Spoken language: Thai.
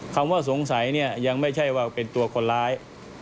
คำว่าสงสัยเนี่ยยังไม่ใช่ว่าเป็นตัวคนร้าย